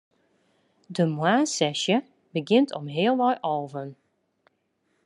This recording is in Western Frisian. De moarnssesje begjint om healwei alven.